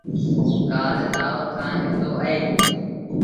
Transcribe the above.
ڪآل لآهور کآݩ نکتو اهي